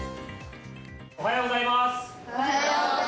おはようございます。